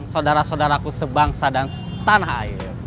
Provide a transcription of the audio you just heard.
saudara saudaraku sebangsa dan setanah air